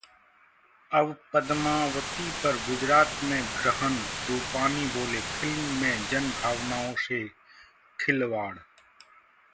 अब पद्मावती पर गुजरात में ग्रहण, रूपाणी बोले- फिल्म में जनभावनाओं से खिलवाड़